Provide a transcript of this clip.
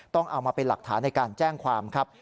ต้องเอามาเป็นหลักฐานในการแจ้งความครับ